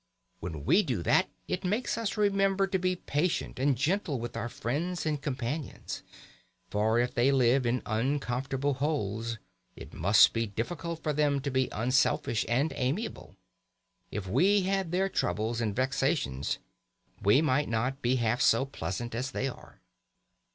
When we do that it makes us remember to be patient and gentle with our friends and companions, for if they live in uncomfortable holes it must be difficult for them to be unselfish and amiable. If we had their troubles and vexations we might not be half so pleasant as they are."